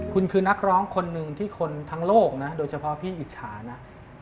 คุณคือนักร้องคนหนึ่งที่คนทั้งโลกนะโดยเฉพาะพี่อิจฉานะ